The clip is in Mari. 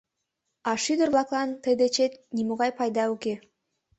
А шӱдыр-влаклан тый дечет нимогай пайда уке…